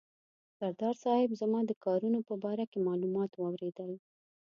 سردار صاحب زما د کارونو په باره کې معلومات واورېدل.